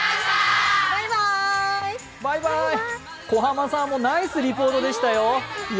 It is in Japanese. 小濱さんもナイスリポートでしたよ。